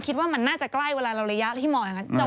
คิดว่ามันน่าจะใกล้เวลาเราระยะที่มองอย่างนั้น